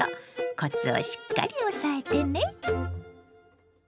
コツをしっかり押さえてね。